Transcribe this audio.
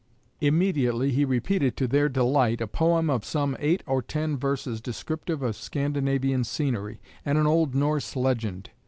Immediately he repeated, to their delight, a poem of some eight or ten verses descriptive of Scandinavian scenery, and an old Norse legend.